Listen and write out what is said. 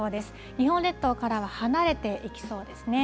日本列島からは離れていきそうですね。